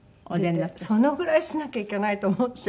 そのぐらいしなきゃいけないと思って。